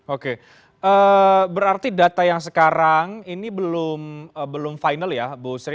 oke berarti data yang sekarang ini belum final ya bu sri